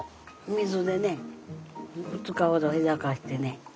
水でね２日ほどふやかしてね。